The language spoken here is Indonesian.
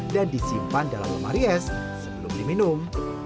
dan disimpan dalam rumah ries sebelum diminum